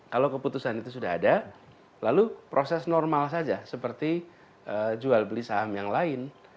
kalau keputusan itu sudah ada lalu proses normal saja seperti jual beli saham yang lain